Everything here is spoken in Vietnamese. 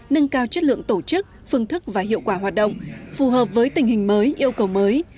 nâng cao chất lượng tổ chức phương thức và hiệu quả hoạt động phù hợp với tình hình mới yêu cầu mới